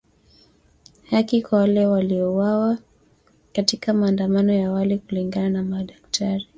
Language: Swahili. Haki kwa wale waliouawa katika maandamano ya awali kulingana na madaktari